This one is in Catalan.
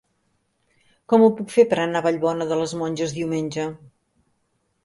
Com ho puc fer per anar a Vallbona de les Monges diumenge?